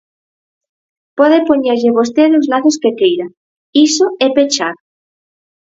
Pode poñerlle vostede os lazos que queira, iso é pechar.